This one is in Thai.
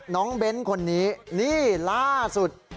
น้องเบสคนนี้นี่ล่าสุด